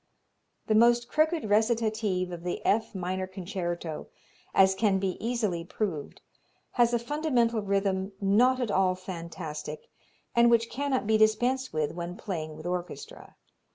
The most crooked recitative of the F minor Concerto, as can be easily proved, has a fundamental rhythm not at all fantastic, and which cannot be dispensed with when playing with orchestra.